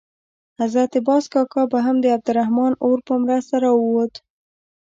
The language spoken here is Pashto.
حضرت باز کاکا به هم د عبدالرحمن اور په مرسته راووت.